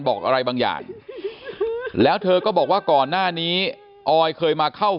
บอกอะไรบางอย่างแล้วเธอก็บอกว่าก่อนหน้านี้ออยเคยมาเข้า